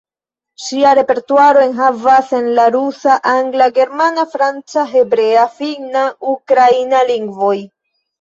Ŝia repertuaro enhavas en la rusa, angla, germana, franca, hebrea, finna, ukraina lingvoj.